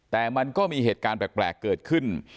แต่มันก็มีเหตุการณ์แปลกเกิดขึ้น